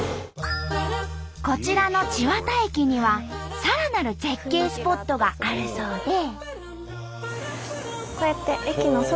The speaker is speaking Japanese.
こちらの千綿駅にはさらなる絶景スポットがあるそうで。